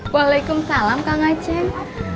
waalaikumsalam kang acing